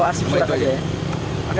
oh arsip surat aja ya